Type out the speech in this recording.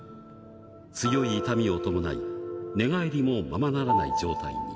強い痛みを伴い、寝返りもままならない状態に。